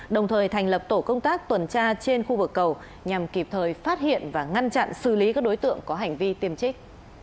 đồng thời thành lập tổ công tác tuần tra trên khu vực cầu nhằm kịp thời phát hiện và ngăn chặn xử lý các đối tượng có hành vi tiêm trích